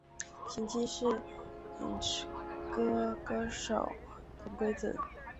前妻是演歌歌手藤圭子。